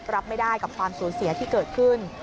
รับไม่ได้กับความสูญเสียที่เกิดขึ้น